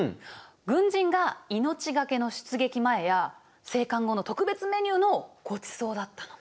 軍人が命懸けの出撃前や生還後の特別メニューのごちそうだったの。